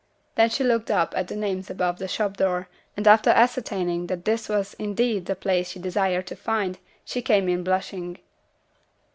Then she looked up at the names above the shop door, and after ascertaining that this was indeed the place she desired to find, she came in blushing.